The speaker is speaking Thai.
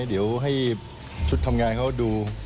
เดี๋ยวให้ชุดทำงานเขาดู